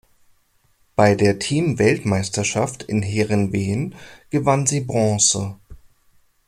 Bei der Teamweltmeisterschaft in Heerenveen gewann sie Bronze.